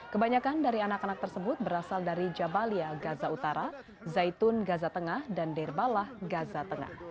kebanyakan dari anak anak tersebut berasal dari jabalia gaza utara zaitun gaza tengah dan derbalah gaza tengah